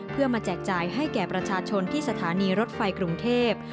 เพื่อมาแจกจ่ายให้แก่ประชาชนที่สถานีรถไฟกรุงเทพ